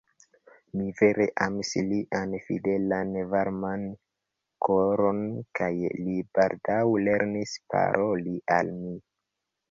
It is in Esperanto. Mi vere amis lian fidelan varman koron, kaj li baldaŭ lernis paroli al mi.